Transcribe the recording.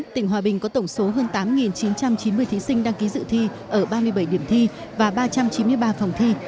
tỉnh hòa bình có tổng số hơn tám chín trăm chín mươi thí sinh đăng ký dự thi ở ba mươi bảy điểm thi và ba trăm chín mươi ba phòng thi